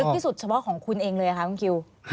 ที่สุดเฉพาะของคุณเองเลยค่ะคุณคิว